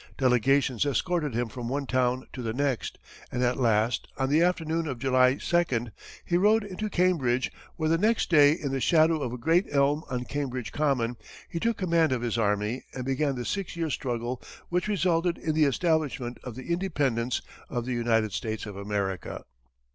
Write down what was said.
Delegations escorted him from one town to the next, and at last, on the afternoon of July 2d, he rode into Cambridge, where, the next day, in the shadow of a great elm on Cambridge Common, he took command of his army, and began the six years' struggle which resulted in the establishment of the independence of the United States of America.